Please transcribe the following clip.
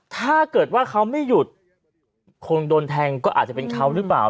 ถ้าเกิดว่าเขาไม่หยุดคงโดนแทงก็อาจจะเป็นเขาหรือเปล่า